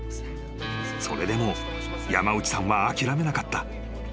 ［それでも山内さんは諦めなかった］